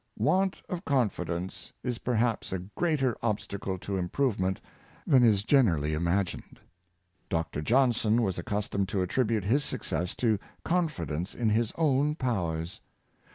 Want of confidence is perhaps a greater obstacle to im provement than is generally imagined. Dr. Johnson was accustomed to attribute his success to confidence in his own powers.